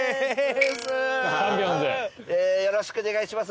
よろしくお願いします